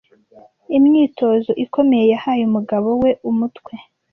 Imyitozo ikomeye yahaye umugabo we umutwe.